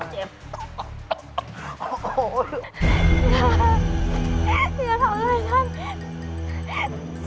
ยินดีจันทำอะไรกัน